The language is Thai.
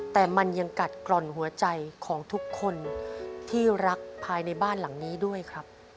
แต่มันยังกัดกร่อนหัวใจของทุกคนที่รักภายในบ้านหลังนี้ด้วยครับ